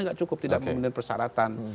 tidak cukup tidak memenuhi persyaratan